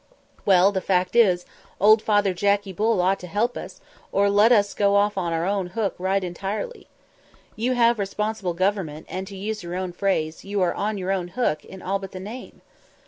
"Well, the fact is, old father Jackey Bull ought to help us, or let us go off on our own hook right entirely." "You have responsible government, and, to use your own phrase, you are on 'your own hook' in all but the name."